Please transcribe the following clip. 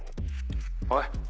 おい！